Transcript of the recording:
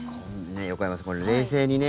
横山さん、冷静にね